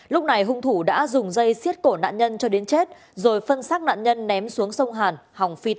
lúc này hùng thủ đã dùng dây xiết cổ nạn nhân cho đến chết rồi phân xác nạn nhân ném xuống sông hàn hòng phi tàng